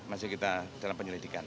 masih kita dalam penyelidikan